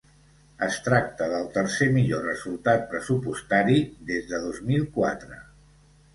Es tracta del tercer millor resultat pressupostari des de dos mil quatre.